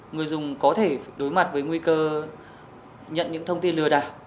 người dùng có thể đối mặt với nguy cơ nhận những thông tin lừa đảo